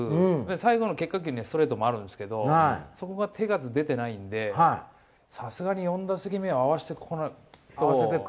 最後の決定球にストレートもあるんですけどそこが手数が出ていないのでさすがに４打席目は合わしてこないと。